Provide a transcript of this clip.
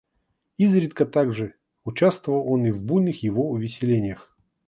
Изредка также, участвовал он и в буйных его увеселениях.